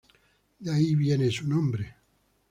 De ahí viene su nombre.